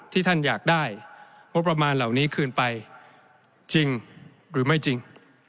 ที่ท่านอยากได้งบประมาณเหล่านี้คืนไปจริงหรือไม่จริง